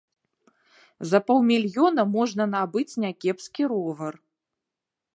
За паўмільёна можна набыць някепскі ровар.